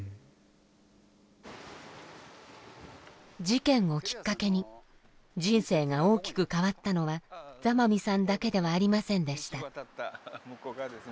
事件をきっかけに人生が大きく変わったのは座間味さんだけではありませんでした。